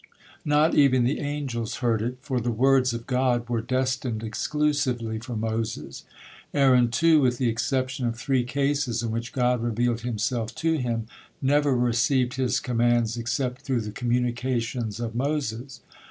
Not even the angels heard it, for the words of God were destined exclusively for Moses. Aaron, too, with the exception of three cases in which God revealed Himself to him, never received His commands except through the communications of Moses.